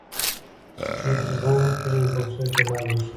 څوک چې ځان نه پیژني، بل څوک یې لار نه ښيي.